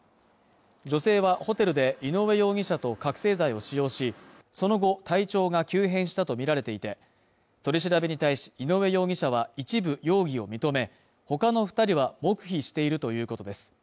女性はホテルで井上容疑者と覚醒剤を使用し、その後、体調が急変したとみられていて、取り調べに対し井上容疑者は一部容疑を認め、他の２人は黙秘しているということです。